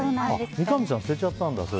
三上さん捨てちゃったんだ。